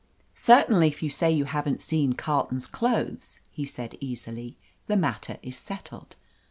"Certainly, if you say you haven't seen Carleton's clothes," he said easily, "the matter is settled.